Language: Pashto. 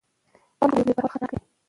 د خلکو بې برخې کول خطرناک دي